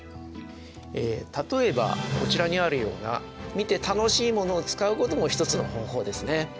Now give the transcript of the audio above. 例えばこちらにあるような見て楽しいものを使うことも一つの方法ですね。